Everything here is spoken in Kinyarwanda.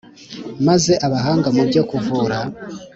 maze abahanga mu byo kuvura